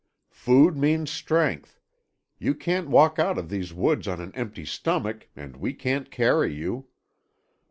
"Food means strength. You can't walk out of these woods on an empty stomach, and we can't carry you."